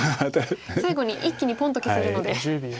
最後に一気にポンと消せるので。